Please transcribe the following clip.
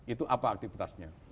itu apa aktivitasnya